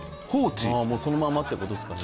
もうそのままって事ですかね。